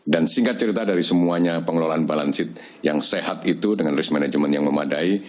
dan singkat cerita dari semuanya pengelolaan balance sheet yang sehat itu dengan risk management yang membaik